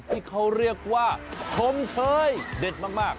ที่เขาเรียกว่าชมเชยเด็ดมาก